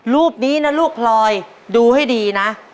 รูปนี้นะลูกพลอยดูให้ดีนะ